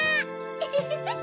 フフフフ！